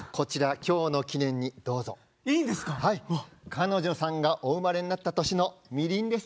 彼女さんがお生まれになった年のみりんです。